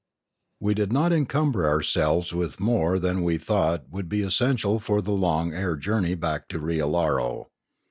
We did not encumber ourselves with more than we thought would be essential for the long air journey back to Riallaro.